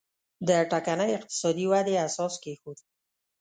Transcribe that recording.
د ټکنۍ اقتصادي ودې اساس کېښود.